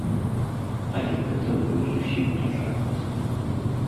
Але гэта быў зусім не жарт.